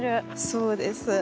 そうです。